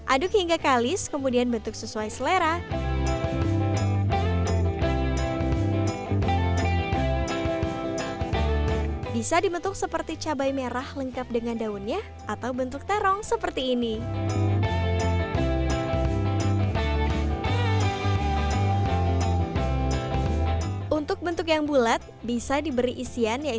aduk hingga kalis kemudian bentuk sesuai sasaran